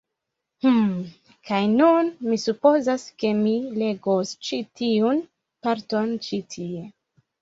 Hum, kaj nun mi supozas ke mi legos ĉi tiun parton ĉi tie